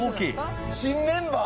新メンバー？